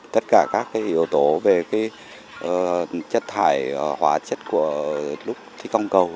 tất cả các yếu tố về chất thải hóa chất của lúc thi công cầu